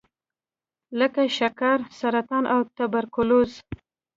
لکه شکر، سرطان او توبرکلوز.